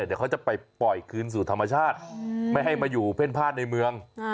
เดี๋ยวเขาจะไปปล่อยคืนสู่ธรรมชาติไม่ให้มาอยู่เพ่นพลาดในเมือง